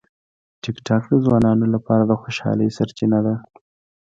ټیکټاک د ځوانانو لپاره د خوشالۍ سرچینه ده.